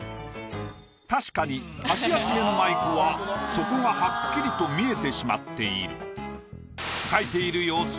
確かにハシヤスメのマイクは底がはっきりと見えてしまっている。